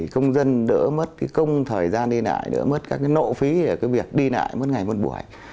công dân đỡ mất công thời gian đi nải đỡ mất các nộ phí để việc đi nải một ngày một buổi